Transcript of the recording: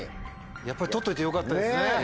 やっぱり取っておいてよかったですね。